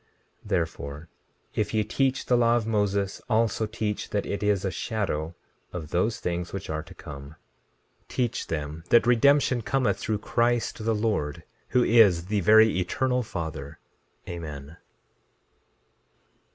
16:14 Therefore, if ye teach the law of Moses, also teach that it is a shadow of those things which are to come— 16:15 Teach them that redemption cometh through Christ the Lord, who is the very Eternal Father. Amen.